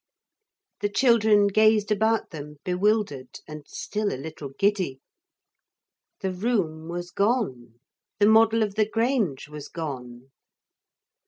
The children gazed about them bewildered and still a little giddy. The room was gone, the model of the Grange was gone.